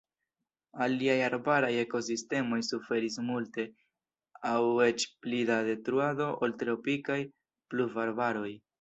Aliaj arbaraj ekosistemoj suferis multe aŭ eĉ pli da detruado ol tropikaj pluvarbaroj.